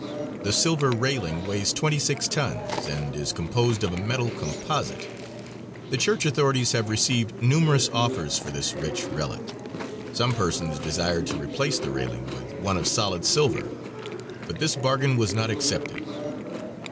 The silver railing weighs twenty six tons, and is composed of a metal composite. The church authorities have received numerous offers for this rich relic. Some persons desired to replace the railing with one of solid silver, but this bargain was not accepted.